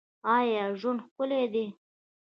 آیا ژوند ښکلی دی؟